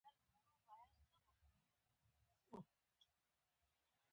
ویې ویل: مخالفتونه بس کړئ.